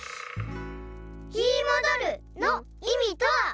・「ひもどる」のいみとは？